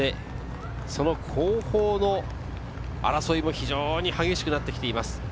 その後方の争いも非常に激しくなってきています。